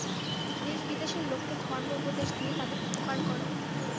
দেশ-বিদেশের লোককে ধর্ম উপদেশ দিয়ে তাদের উপকার কর।